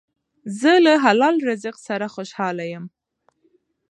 زه له حلال رزق سره خوشحاله یم.